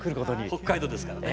北海道ですからね。